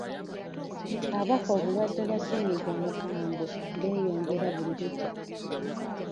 Abafa obulwadde bwa ssennyiga omukambwe beeyongera buli lukya.